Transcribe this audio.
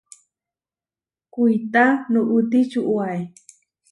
Kuitá nuʼuti čuʼwaé.